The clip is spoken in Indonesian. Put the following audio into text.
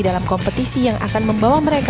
dalam kompetisi yang akan membawa mereka